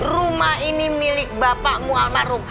rumah ini milik bapak muhammad rum